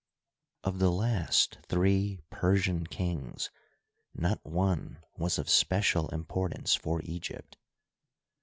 Of the last three Persian kings not one was of spe cial importance for Egypt.